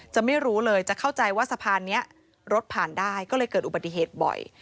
ไม่รู้เลยจะเข้าใจว่าสะพานนี้รถผ่านได้ก็เลยเกิดอุบัติเหตุบ่อย